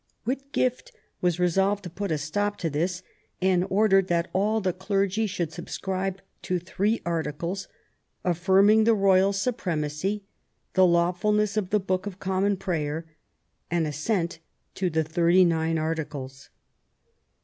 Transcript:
Whitgift was resolved to put a stop to this, and ordered that all the clergy should subscribe to three articles, affirming the Royal supremacy, the lawfulness of the Book of Common Prayer, and assent to the Thirty nine Articles.